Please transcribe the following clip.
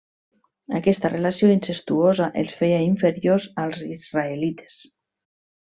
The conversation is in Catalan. Aquesta relació incestuosa els feia inferiors als israelites.